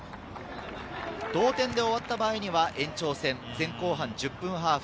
同点で終わった場合には、延長戦、前・後半１０分ハーフ。